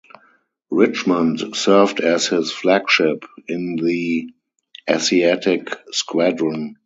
"Richmond" served as his flagship in the Asiatic Squadron.